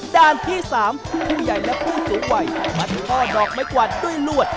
ด้านที่๓ผู้ใหญ่และผู้สูงวัยมาท่อดอกไม้กวาดด้วยลวด